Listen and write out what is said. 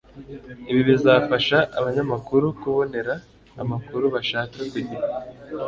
Ibi bizafasha abanyamakuru kubonera amakuru bashaka ku gihe